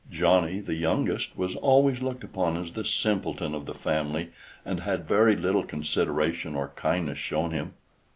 Johnny, the youngest, was always looked upon as the simpleton of the family, and had very little consideration or kindness shown him.